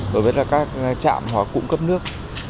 đối với các trạm hóa cụm cấp nước